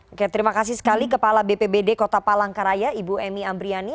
oke terima kasih sekali kepala bpbd kota palangkaraya ibu emy ambriani